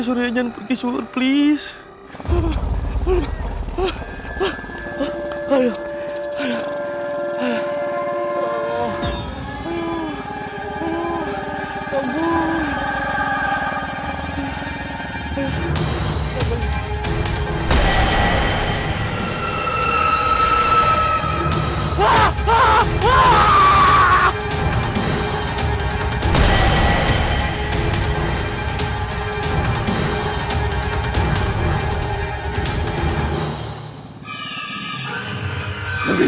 sur jangan pergi sur please